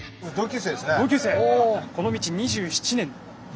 この道２７年。